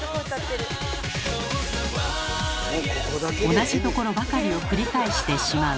．同じところばかりを繰り返してしまう。